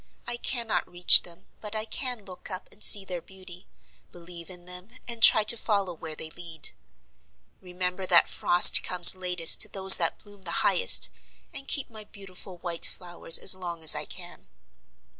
I cannot reach them: but I can look up, and see their beauty; believe in them, and try to follow where they lead; remember that frost comes latest to those that bloom the highest; and keep my beautiful white flowers as long as I can."